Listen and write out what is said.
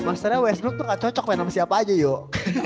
masalahnya westbrook tuh gak cocok main sama siapa aja yuk